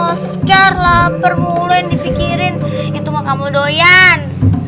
oscar lapar mulu yang dipikirin itu mah kamu doyan